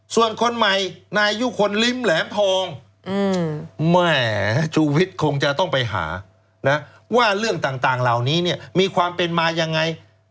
ส่วนคนใหม่นายอยู่คนลิ้มแหลมทองจุวิตคงจะต้องไปหาว่าเรื่องต่างเหล่านี้มีความเป็นมายังไง